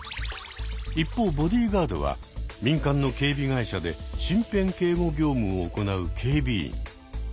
一方ボディーガードは民間の警備会社で身辺警護業務を行う警備員。